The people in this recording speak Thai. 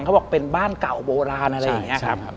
เขาบอกเป็นบ้านเก่าโบราณอะไรอย่างนี้ครับ